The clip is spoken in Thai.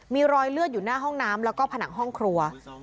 มีรอยเลือดอยู่หน้าห้องน้ำแล้วก็ผนังห้องครัว